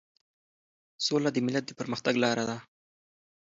سوله د ملت د پرمختګ لار ده.